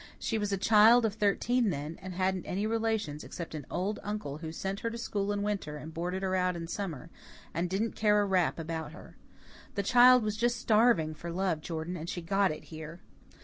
She was a child of thirteen then, and hadn't any relations except an old uncle who sent her to school in winter and boarded her out in summer, and didn't care a rap about her. The child was just starving for love, Jordan, and she got it here.